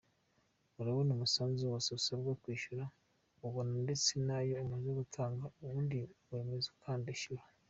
Urabona umusanzu wose usabwa kwishyura, ubone ndetse nayo amaze gutanga ubundi wemeze ukanda Ishyura.